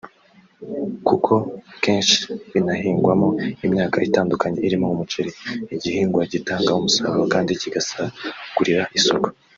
kuko ahenshi binahingwamo imyaka itandukanye irimo umuceri (igihingwa gitanga umusaruro kandi kigasagurira isoko)